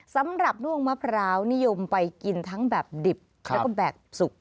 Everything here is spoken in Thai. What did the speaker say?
สำหรับด้วงมะพร้าวนิยมไปกินทั้งแบบดิบแล้วก็แบบสุก